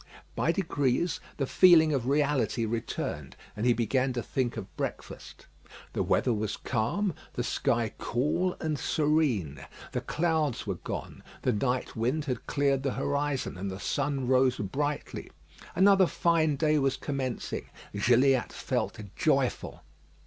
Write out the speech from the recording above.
By degrees the feeling of reality returned, and he began to think of breakfast. The weather was calm; the sky cool and serene. The clouds were gone; the night wind had cleared the horizon, and the sun rose brightly. Another fine day was commencing. Gilliatt felt joyful.